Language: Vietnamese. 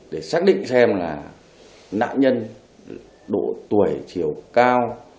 để xác định xem là nạn nhân độ tuổi chiều cao